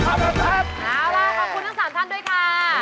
เอาล่ะขอบคุณทั้ง๓ท่านด้วยค่ะ